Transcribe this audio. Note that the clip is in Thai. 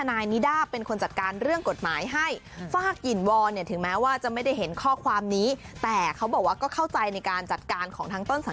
มันไม่ได้อะไรถ้าเกิดเราไปให้ความสนใจ